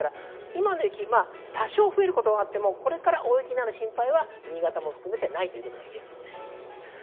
今夜９時ですから、今の雪、多少増えることはあっても、これから大雪になる心配は新潟を含めてないと言えそうです。